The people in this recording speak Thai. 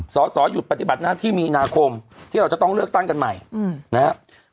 สอสอหยุดปฏิบัติหน้าที่มีนาคมที่เราจะต้องเลือกตั้งกันใหม่นะครับ